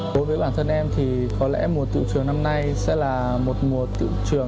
đối với học sinh cập tiểu học là một đa học rất là khó khăn